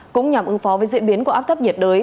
cũng nhằm ứng phó với diễn biến của áp thấp nhiệt đới